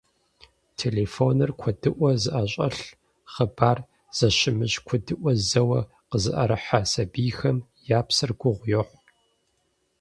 Телефоныр куэдыӀуэрэ зыӀэщӀэлъ, хъыбар зэщымыщ куэдыӀуэ зэуэ къызыӀэрыхьэ сабийхэм я псэр гугъу йохь.